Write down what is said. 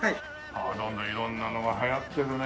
どんどん色んなのが流行ってるね。